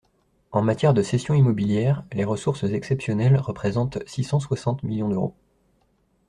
En matière de cession immobilière, les ressources exceptionnelles représentent six cent soixante millions d’euros.